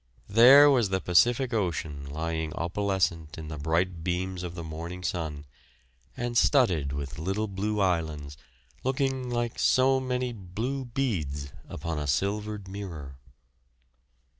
There was the Pacific Ocean lying opalescent in the bright beams of the morning sun, and studded with little blue islands, looking like so many blue beads upon a silvered mirror.